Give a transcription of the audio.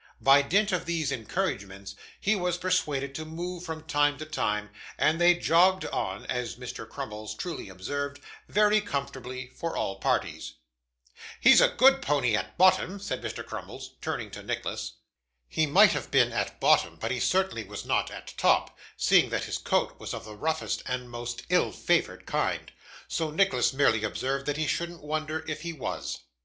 By dint of these encouragements, he was persuaded to move from time to time, and they jogged on (as Mr. Crummles truly observed) very comfortably for all parties. 'He's a good pony at bottom,' said Mr. Crummles, turning to Nicholas. He might have been at bottom, but he certainly was not at top, seeing that his coat was of the roughest and most ill favoured kind. So, Nicholas merely observed that he shouldn't wonder if he was.